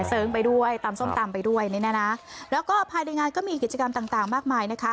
ไปด้วยตำส้มตำไปด้วยนี่นะแล้วก็ภายในงานก็มีกิจกรรมต่างต่างมากมายนะคะ